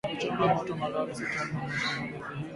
na kuchoma moto malori sita katika shambulizi hilo